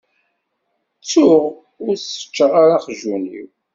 Ttuɣ ur seččeɣ ara aqjun-iw.